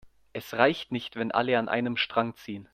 Es reicht nicht, wenn alle an einem Strang ziehen.